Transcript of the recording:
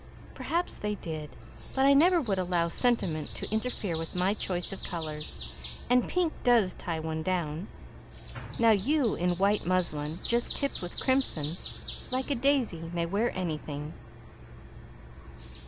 "Perhaps they did. But I never would allow sentiment to interfere with my choice of colours; and pink does tie one down. Now you, in white muslin, just tipped with crimson, like a daisy, may wear anything."